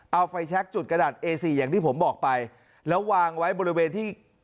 เอาไฟแชคจุดกระดาษเอสี่อย่างที่ผมบอกไปแล้ววางไว้บริเวณที่